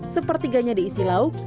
sepertiganya diisi lauk